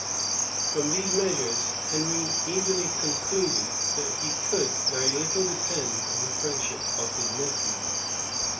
From these measures Henry easily concluded that he could very little depend on the friendship of his nephew.